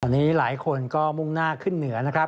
ตอนนี้หลายคนก็มุ่งหน้าขึ้นเหนือนะครับ